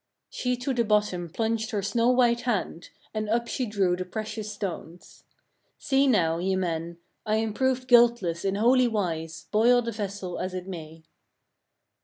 9. She to the bottom, plunged her snow white hand, and up she drew the precious stones. "See now, ye men! I am proved guiltless in holy wise, boil the vessel as it may."